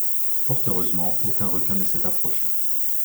Fort heureusement, aucun requin ne s’est approché.